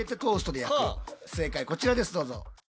正解こちらですどうぞ。